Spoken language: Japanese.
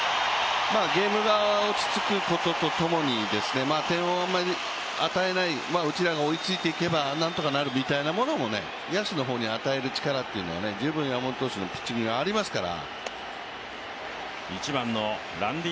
ゲーム側をつつくことともに点をあまり与えない、うちらが追いついていけば何とかなるみたいなものも野手の方に与える力というのは十分、山本投手のピッチングにはありますから。